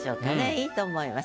良いと思います。